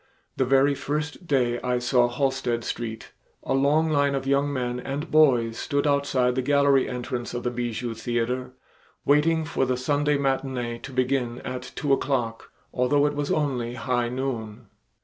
The very first day I saw Halsted Street a long line of young men and boys stood outside the gallery entrance of the Bijou Theater, waiting for the Sunday matinee to begin at two o'clock, although it was only high noon.